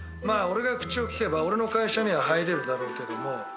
まあ俺が口を利けば俺の会社には入れるだろうけども。